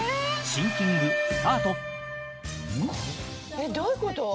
えっ？どういうこと？